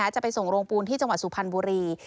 จะไปส่งโรงปูนที่จังหวัดสุพรรณบุรี